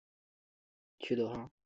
基德号驱逐舰命名的军舰。